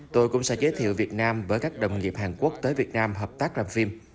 tôi cũng sẽ giới thiệu việt nam với các đồng nghiệp hàn quốc tới việt nam hợp tác làm phim